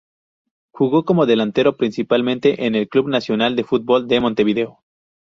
Jugó como delantero, principalmente en el Club Nacional de Football de Montevideo.